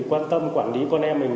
quan tâm quản lý con em mình